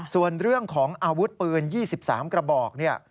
ส่วนเรื่องของอาวุธปืน๒๓กระบอกเนี่ย